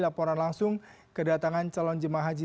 laporan langsung kedatangan calon jemaah haji